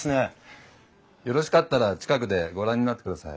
よろしかったら近くでご覧になってください。